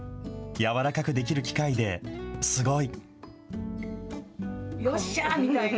柔らかくできる機械ですごい。